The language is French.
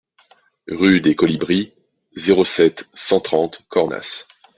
Rue des Colibris, zéro sept, cent trente Cornas